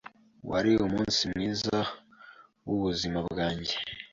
Wari umunsi mwiza w'ubuzima bwanjye.